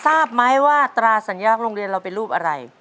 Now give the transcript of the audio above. ทราบไหมว่าตราสัญลักษณ์โรงเรียนเราเป็นรูปอะไร